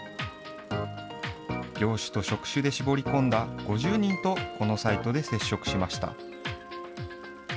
業種と職種で絞り込んだ５０人と、このサイトで接触しました。